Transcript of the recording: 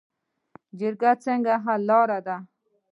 جرګه څنګه حل لاره ده؟